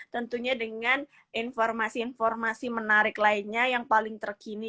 tentunya dengan informasi informasi menarik lainnya yang paling terkini